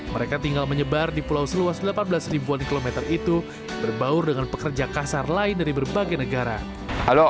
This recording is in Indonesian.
mereka tinggal menyebar di pulau seluas delapan belas ribuan kilometer itu berbaur dengan pekerja kasar lain dari berbagai negara